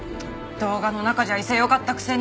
動画の中じゃ威勢よかったくせに。